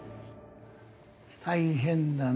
大変だね。